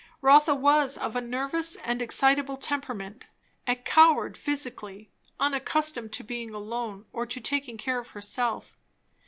Rotha was of a nervous and excitable temperament, a coward physically, unaccustomed to being alone or to taking care of herself.